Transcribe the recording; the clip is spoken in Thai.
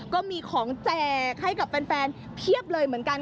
ก็มีของแจกให้กับแฟนเพียบเลยเหมือนกัน